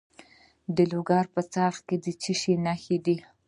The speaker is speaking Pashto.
د لوګر په څرخ کې د څه شي نښې دي؟